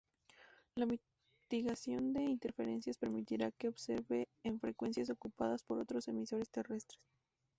La mitigación de interferencias permitirá que observe en frecuencias ocupadas por otros emisores terrestres.